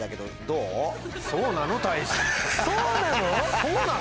そうなの？